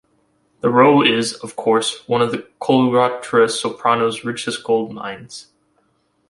The role is, of course, one of the coloratura soprano's richest gold mines.